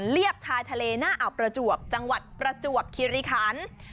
เบียบชายทะเลหน้าอ่าวประจวบจังหวัดประจวบคิริคัน